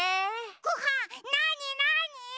ごはんなになに？